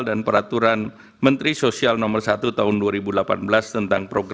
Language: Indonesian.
dan peraturan menteri sosial no satu tahun dua ribu delapan belas tentang program